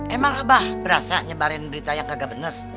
emang apa berasa nyebarin berita yang gak bener